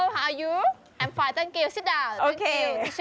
ฮัลโหลสวัสดีครับขอบคุณสิด่า